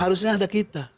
harusnya ada kita